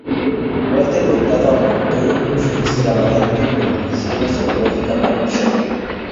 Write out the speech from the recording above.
Walter Mercado aportó su extravagante predicción astrológica para el show.